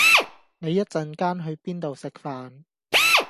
你一陣間去邊度食飯？